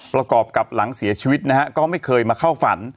ประกอบกับหลังเสียชีวิตนะฮะก็ไม่เคยมาเข้าฝัน